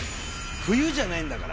「冬じゃないんだから！！」